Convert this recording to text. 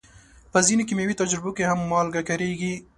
په ځینو کیمیاوي تجربو کې هم مالګه کارېږي.